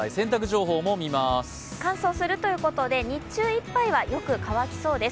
乾燥するということで日中いっぱいはよく乾きそうです。